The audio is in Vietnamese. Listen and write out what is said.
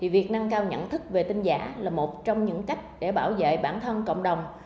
việc nâng cao nhận thức về tin giả là một trong những cách để bảo vệ bản thân cộng đồng